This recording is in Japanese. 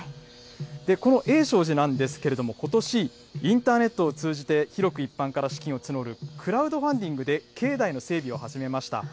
この永昌寺なんですけれども、ことし、インターネットを通じて広く一般から資金を募るクラウドファンディングで境内の整備を始めました。